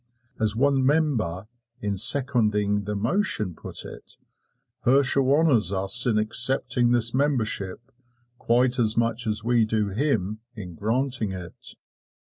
As one member in seconding the motion put it, "Herschel honors us in accepting this membership, quite as much as we do him in granting it."